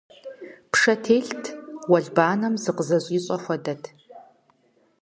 Пшэ телът, уэлбанэм зыкъызэщӀищӀэ хуэдэт.